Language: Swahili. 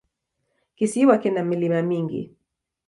Kisiwa kina milima mingi.